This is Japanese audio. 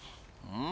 うん。